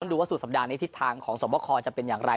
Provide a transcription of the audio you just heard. ดูว่าสุดสัปดาห์นี้ทิศทางของสวบคอจะเป็นอย่างไร